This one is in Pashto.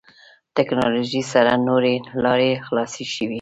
ټکنالوژي سره نوې لارې خلاصې شوې.